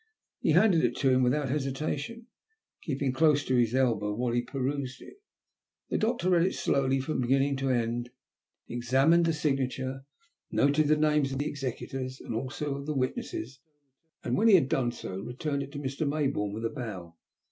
He handed it to him without hesitation, keeping close to his elbow while he perused it. The Doctor read it slowly from beginning to end, examined the signature, noted the names of the executors, and also of the witnesses, and when he had done so, returned it to Mr. Mayboume with a bow.